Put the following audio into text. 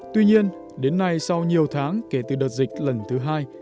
tuy nhiên đến nay sau nhiều tháng kể từ đợt dịch lần thứ hai